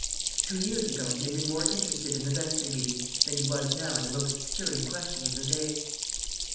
Two years ago he had been more interested in a vestry meeting than he was now in the most stirring question of the day.